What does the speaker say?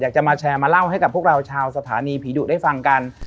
อยากจะมาแชร์มาเล่าให้กับพวกเราชาวสถานีผีดุได้ฟังกัน